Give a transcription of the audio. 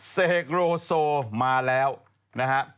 เซเฮโกรโซมาแล้วนะฮะ